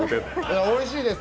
おいしいです！